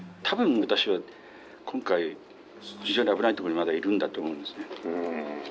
多分私は今回非常に危ないとこにまだいるんだと思うんですね。